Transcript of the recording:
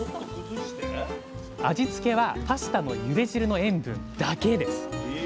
味付けはパスタのゆで汁の塩分だけです。